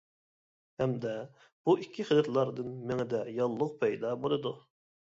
ھەمدە بۇ ئىككى خىلىتلاردىن مېڭىدە ياللۇغ پەيدا بولىدۇ.